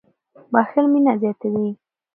• بښل مینه زیاتوي.